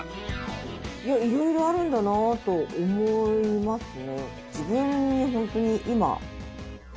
いろいろあるんだなと思いますね。